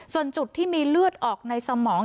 ส่วนจุดที่มีเลือดออกในสมอง